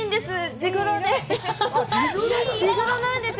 地黒なんですよ。